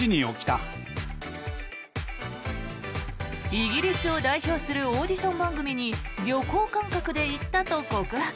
イギリスを代表するオーディション番組に旅行感覚で行ったと告白。